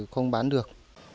không bán được